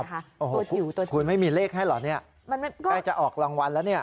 โอ้โหจิ๋วตัวนี้คุณไม่มีเลขให้เหรอเนี่ยใกล้จะออกรางวัลแล้วเนี่ย